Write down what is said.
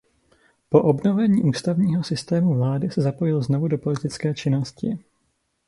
Po obnovení ústavního systému vlády se zapojil znovu do politické činnosti.